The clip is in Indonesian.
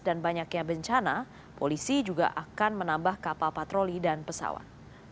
dan banyaknya bencana polisi juga akan menambah kapal patroli dan pesawat